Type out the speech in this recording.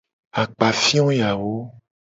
Akpafio yawo.